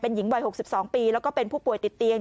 หญิงวัย๖๒ปีแล้วก็เป็นผู้ป่วยติดเตียง